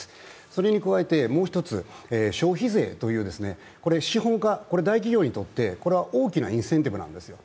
それに加えてもう一つ、消費税という資本家、大企業にとって大きなインセンティブなんですよ。